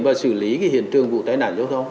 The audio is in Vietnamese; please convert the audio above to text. và xử lý cái hiện trường vụ tai nạn giao thông